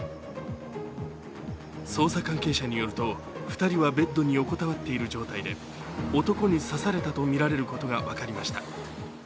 捜査関係者によると、２人はベッドに横たわっている状態で男に刺されたとみられることが分かりました。